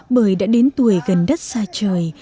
bởi đã đến tuổi gần đất xa trời